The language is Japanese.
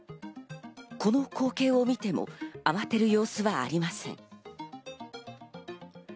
この光景を見ても慌てる様子はありません。